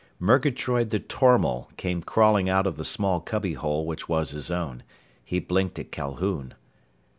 _" Murgatroyd the tormal came crawling out of the small cubbyhole which was his own. He blinked at Calhoun.